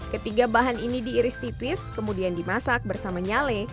ketiga bahan ini diiris tipis kemudian dimasak bersama nyale